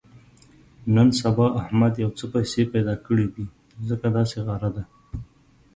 نن سبا احمد یو څه پیسې پیدا کړې دي، ځکه داسې غره دی.